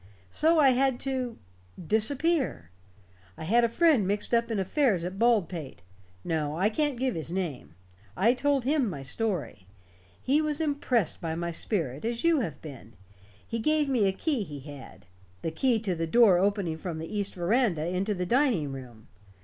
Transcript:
So I had to disappear. I had a friend mixed up in affairs at Baldpate. No, I can't give his name. I told him my story. He was impressed by my spirit, as you have been. He gave me a key he had the key of the door opening from the east veranda into the dining room.